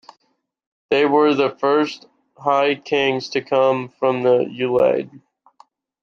They were the first High Kings to come from the Ulaid.